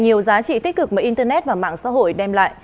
nhiều giá trị tích cực mà internet và mạng xã hội đem lại